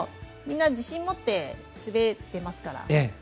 みんな自信を持って滑ってますから。